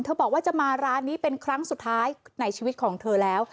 บอกว่าจะมาร้านนี้เป็นครั้งสุดท้ายในชีวิตของเธอแล้ว